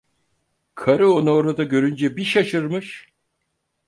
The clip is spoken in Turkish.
Karı onu orada görünce bir şaşırmış.